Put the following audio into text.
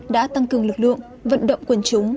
đã tăng cường lực lượng vận động quân chúng